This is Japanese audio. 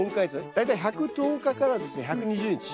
大体１１０日からですね１２０日。